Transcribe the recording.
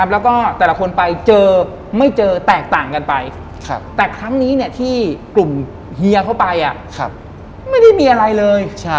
แล้วก็แต่ละคนไปเจอไม่เจอแตกต่างกันไปแต่ครั้งนี้ที่กลุ่มเฮียเขาไปไม่ได้มีอะไรเลย